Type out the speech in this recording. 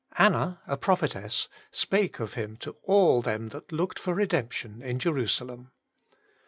Anna, a prophetess, ... spake of Him to all them that looked for redemption in Jerusalem.